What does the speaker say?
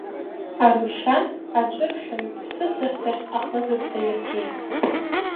Арушьан-аҵәыршаҩ, сысас дахь ахызаҵә даиргеит.